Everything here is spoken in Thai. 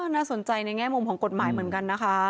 น่าสนใจในแง่มุมของกฎหมายเหมือนกันนะคะ